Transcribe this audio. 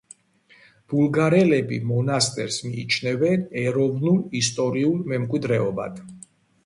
ბულგარელები მონასტერს მიიჩნევენ ეროვნულ ისტორიულ მემკვიდრეობად.